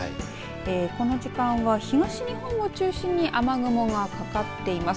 この時間は、東日本を中心に雨雲がかかっています。